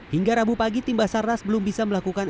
hingga rabu pagi tim basarnas belum bisa melakukan